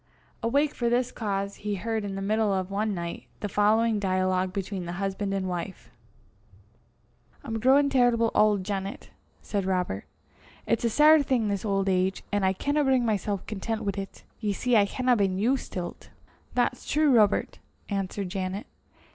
Awake for this cause, he heard in the middle of one night, the following dialogue between the husband and wife. "I'm growin' terrible auld, Janet," said Robert. "It's a sair thing, this auld age, an' I canna bring mysel' content wi' 't. Ye see I haena been used till 't." "That's true, Robert," answered Janet.